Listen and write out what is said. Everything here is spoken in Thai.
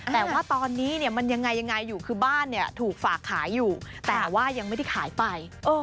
แต่ว่าตอนนี้มันยังไงอยู่คือบ้านถูกฝากขายอยู่แต่ว่ายังไม่ได้ขายไป